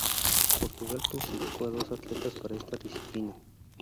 Portugal clasificó a dos atletas para esta disciplina.